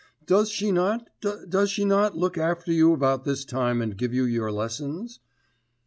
'Does she not, does she not look after you about this time, and give you your lessons?